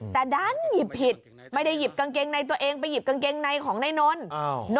แต่ดันหยิบผิดไม่ได้หยิบกางเกงในตัวเองไปหยิบกางเกงในของนายนนท์